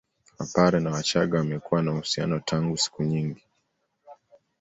Wapare na wachaga wamekuwa na uhusiano tangu siku nyingi